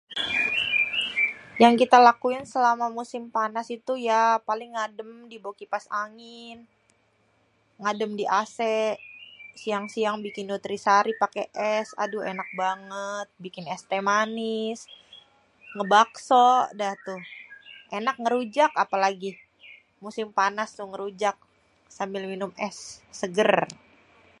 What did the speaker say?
yang kita lakuin selama musim panas ituh ya paling ngadêm dibawêh kipas angin ngadêm di ac siang-siang bikin nutrisari paké és aduh ènak banget bikin és teh manis trus ngêbakso dêh tuh, ènak ngerujak apêlagi musim panas tuh ngerujak sambil minum és seger.